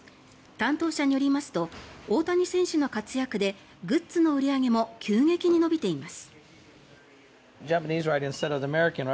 担当者によりますと大谷選手の活躍でグッズの売り上げも急激に伸びています。